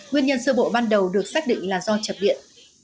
nguyên nhân sơ bộ ban đầu được xác định là do chập điện